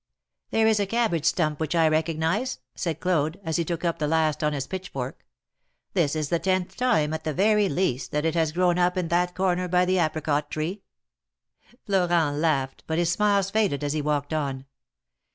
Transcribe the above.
There is a cabbage stump which I recognize,'^ said Claude, as he took up the last on his pitch fork. "This is the tenth time, at the very least, that it has grown up in that corner by the apricot tree." Florent laughed, but his smiles faded as he walked on.